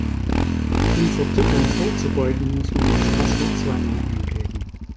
Um Vertippern vorzubeugen, muss man das Passwort zweimal eingeben.